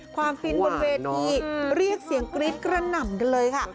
ฟินบนเวทีเรียกเสียงกรี๊ดกระหน่ำกันเลยค่ะ